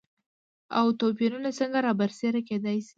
او توپېرونه څنګه رابرسيره کېداي شي؟